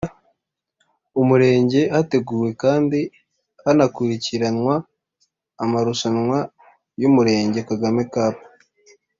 Umurenge Hateguwe kandi hanakurikiranwa amarushanwa y Umurenge Kagame Cup